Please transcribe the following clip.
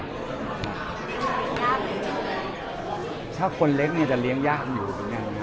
ครับถ้าเป็นคนเล็กจะเลี้ยงย่าขัดอยู่ตรงจังนะ